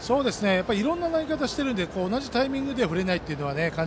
いろいろな投げ方をしているので同じタイミングでは振れないような。